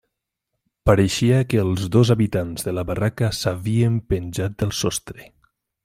Pareixia que els dos habitants de la barraca s'havien penjat del sostre.